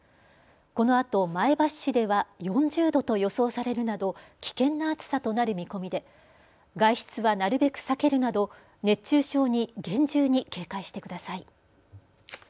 このあと前橋市では４０度と予想されるなど危険な暑さとなる見込みで外出はなるべく避けるなど熱中症に厳重に警戒してください。